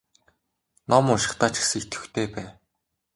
Ном уншихдаа ч гэсэн идэвхтэй бай.